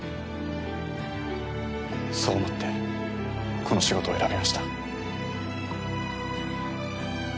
そう思ってこの仕事を選びました。